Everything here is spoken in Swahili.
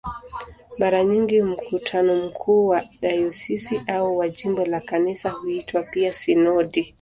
Mara nyingi mkutano mkuu wa dayosisi au wa jimbo la Kanisa huitwa pia "sinodi".